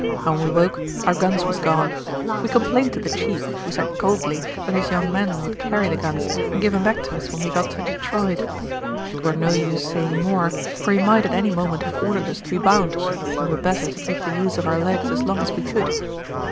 "When we woke our guns was gone. We complained to the chief, who said coldly that his young men would carry the guns and give 'em back to us when we got to Detroit. It were no use saying more, for he might at any moment have ordered us to be bound, and it were better to keep the use of our legs as long as we could.